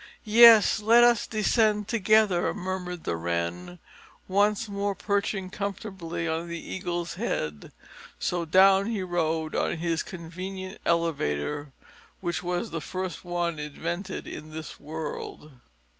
"Yes, let us descend together," murmured the Wren, once more perching comfortably on the Eagle's head. And so down he rode on this convenient elevator, which was the first one invented in this world.